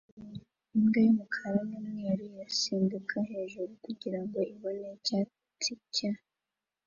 Imbwa y'umukara n'umweru irasimbuka hejuru kugirango ibone icyatsi cya